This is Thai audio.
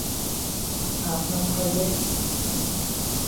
อาจนำภัยเล็ก